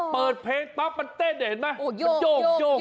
เปิดเพลงปั๊บมันเต้นเห็นไหม